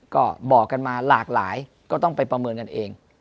ก็บอกกันมาหลากหลายก็ต้องไปประเมินกันเอง